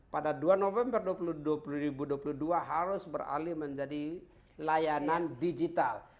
pada dua november dua ribu dua puluh dua harus beralih menjadi layanan digital